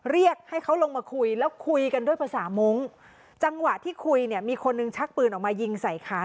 เรียกให้เขาลงมาคุยแล้วคุยกันด้วยภาษามุ้งจังหวะที่คุยเนี่ยมีคนหนึ่งชักปืนออกมายิงใส่ขา